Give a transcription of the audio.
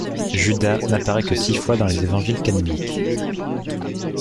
Judas n'apparaît que six fois dans les évangiles canoniques.